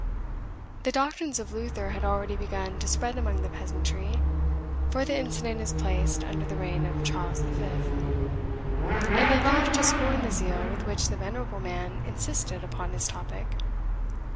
The doctrines of Luther had already begun to spread among the peasantry (for the incident is placed under the reign of Charles V. ), and they laughed to scorn the zeal with which the venerable man insisted upon his topic.